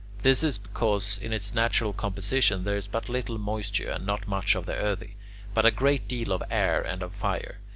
This is because in its natural composition there is but little moisture and not much of the earthy, but a great deal of air and of fire.